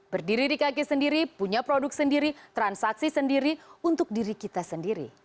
berdiri di kaki sendiri punya produk sendiri transaksi sendiri untuk diri kita sendiri